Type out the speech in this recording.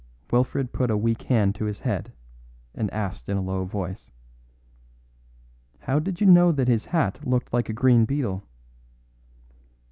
Wilfred put a weak hand to his head, and asked in a low voice: "How did you know that his hat looked like a green beetle?"